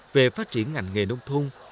về phát triển ngành nghề nông thôn